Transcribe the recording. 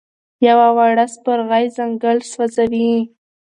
یوه وړه سپرغۍ ځنګل سوځوي.